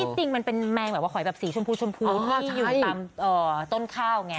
จริงมันเป็นแมงแบบว่าหอยแบบสีชมพูชมพูนอกที่อยู่ตามต้นข้าวไง